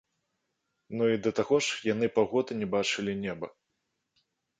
Ну і да таго ж, яны паўгода не бачылі неба.